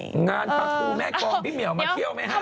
งานภาษูแม่กองพี่เหมียวมาเที่ยวไหมฮะ